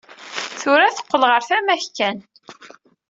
Tura teqqel ɣer tama-k kan.